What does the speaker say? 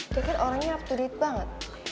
dia kan orangnya up to date banget